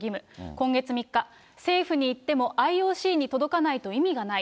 今月３日、政府に言ってもＩＯＣに届かないと意味がない。